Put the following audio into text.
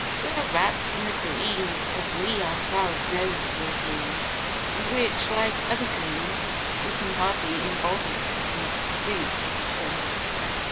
We are rapt in a dream such as we ourselves know to be a dream, and which, like other dreams, we can hardly embody in a distinct utterance.